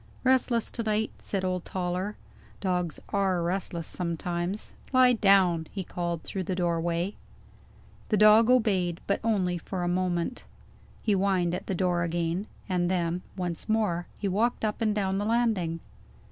"Restless to night," said old Toller. "Dogs are restless sometimes. Lie down!" he called through the doorway. The dog obeyed, but only for a moment. He whined at the door again and then, once more, he walked up and down the landing.